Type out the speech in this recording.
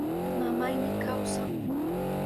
Mamayni kawsan.